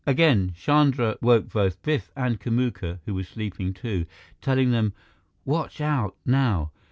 Again, Chandra woke both Biff and Kamuka, who was sleeping, too, telling them, "Watch out, now!